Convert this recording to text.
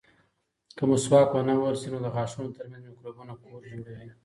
که مسواک ونه وهل شي، نو د غاښونو ترمنځ مکروبونه کور جوړوي.